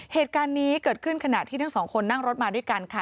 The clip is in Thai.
เหตุการณ์นี้เกิดขึ้นขณะที่ทั้งสองคนนั่งรถมาด้วยกันค่ะ